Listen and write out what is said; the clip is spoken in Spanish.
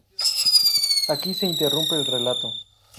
Aquí se interrumpe el relato.